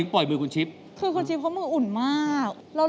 ขอบคุณมากครับขอบคุณมากครับ